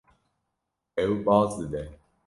Ew baz dide.